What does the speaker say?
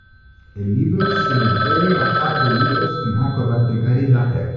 El libro se lo puede bajar de Libros en Acrobat de Gary Daher.